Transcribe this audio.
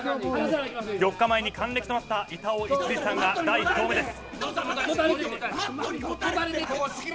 ４日前に還暦となった板尾さんが第１投目です。